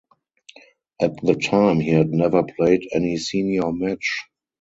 At the time he had never played any senior match.